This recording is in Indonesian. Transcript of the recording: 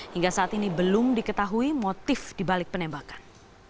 hingga saat ini belum diketahui motif dibalik penembakan